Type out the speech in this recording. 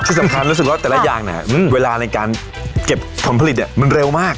ที่สำคัญรู้สึกว่าแต่ละอย่างเนี่ยเวลาในการเก็บผลผลิตมันเร็วมาก